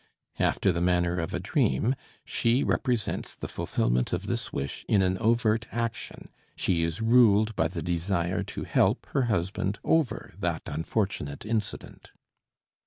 After the manner of a dream she represents the fulfillment of this wish in an overt action, she is ruled by the desire to help her husband over that unfortunate incident.